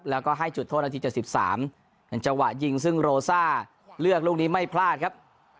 แล้วก็ให้จุดโทษนาที๗๓เป็นจังหวะยิงซึ่งโรซ่าเลือกลูกนี้ไม่พลาดครับ